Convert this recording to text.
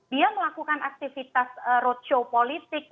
dia melakukan aktivitas roadshow politik